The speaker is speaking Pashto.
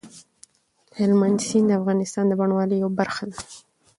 هلمند سیند د افغانستان د بڼوالۍ یوه برخه ده.